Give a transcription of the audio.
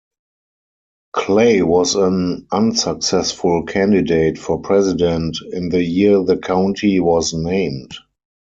Clay was an unsuccessful candidate for President in the year the County was named.